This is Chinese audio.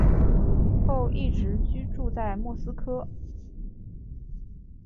后一直居住在莫斯科。